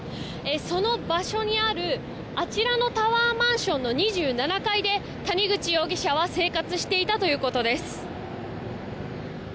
その場所にある、あちらのタワーマンションの２７階で谷口容疑者は生活していたということです。